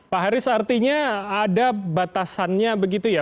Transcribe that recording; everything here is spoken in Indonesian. pak haris artinya ada batasannya begitu ya